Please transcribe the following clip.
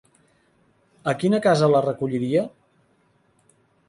A quina casa la recolliria?